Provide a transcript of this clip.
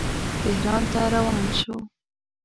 تهران ته روان شو.